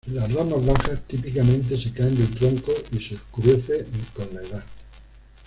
Las ramas bajas, típicamente, se caen del tronco y se oscurece con la edad.